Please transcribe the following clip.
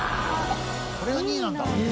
これが２位なんだ。